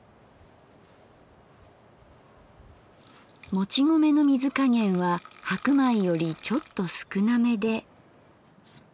もち米の水加減は白米よりちょっと少なめで。